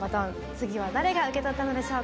次は誰が受け取ったのでしょうか。